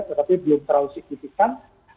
tapi belum terlalu signifikan